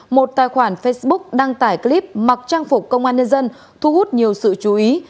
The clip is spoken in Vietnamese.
một tài khoản facebook đăng tải clip mặc trang phục công an nhân dân thu hút nhiều sự chú ý